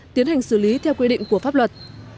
tiến hành xử lý theo quy định của pháp luật